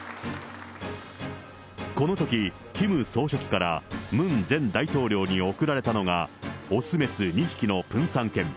このときキム総書記から、ムン前大統領に贈られたのが、雄雌２匹のプンサン犬。